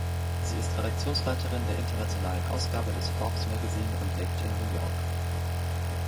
Sie ist Redaktionsleiterin der internationalen Ausgabe des Forbes Magazine und lebt in New York.